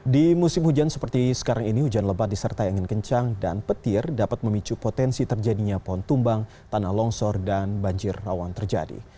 di musim hujan seperti sekarang ini hujan lebat disertai angin kencang dan petir dapat memicu potensi terjadinya pohon tumbang tanah longsor dan banjir rawan terjadi